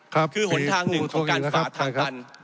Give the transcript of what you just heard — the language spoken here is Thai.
คือหนทางหนึ่งของการฝ่าทางตัน